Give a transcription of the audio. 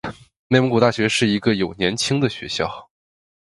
内蒙古大学是一个有年轻的学校。